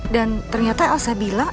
dan ternyata elsa bilang